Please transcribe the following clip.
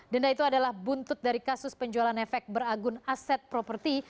denda itu adalah buntut dari kasus penjualan efek beragun aset properti